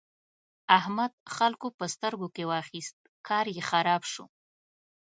احمد خلګو په سترګو کې واخيست؛ کار يې خراب شو.